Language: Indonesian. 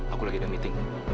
aku lagi ada meeting